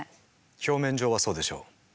表面上はそうでしょう。